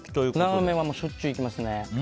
ラーメンはしょっちゅう行きますね。